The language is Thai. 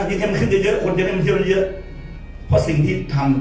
ยิงให้มันขึ้นเยอะเยอะอดให้มันเที่ยวเยอะเพราะสิ่งที่ทำ